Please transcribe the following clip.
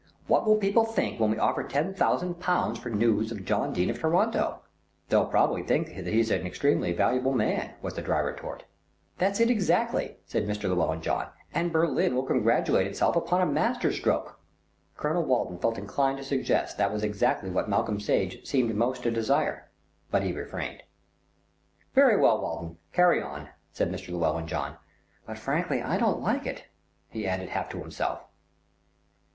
What will people think when we offer ten thousand pounds for news of John Dene of Toronto?" "They'll probably think that he's an extremely valuable man," was the dry retort. "That's it exactly," said Mr. Llewellyn John, "and Berlin will congratulate itself upon a master stroke." Colonel Walton felt inclined to suggest that was exactly what Malcolm Sage seemed most to desire; but he refrained. "Very well, Walton, carry on," said Mr. Llewellyn John; "but frankly I don't like it," he added half to himself.